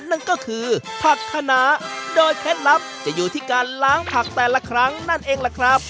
นั่นก็คือผักขนาโดยเคล็ดลับจะอยู่ที่การล้างผักแต่ละครั้งนั่นเองล่ะครับ